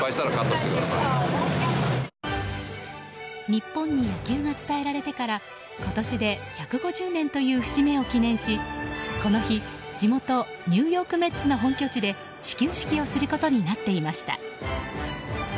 日本に野球が伝えられてから今年で１５０年という節目を記念しこの日、地元ニューヨーク・メッツの本拠地で始球式をすることになっていました。